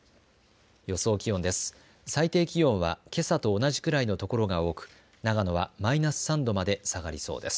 予想気温です。